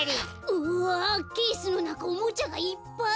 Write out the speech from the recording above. うわケースのなかおもちゃがいっぱい！